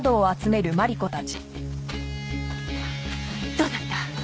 どうだった？